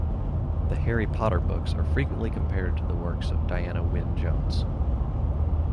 The "Harry Potter" books are frequently compared to the works of Diana Wynne Jones.